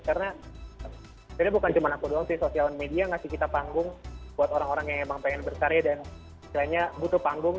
karena sebenarnya bukan cuma aku doang sih sosial media ngasih kita panggung buat orang orang yang emang pengen berkarya dan kiranya butuh panggung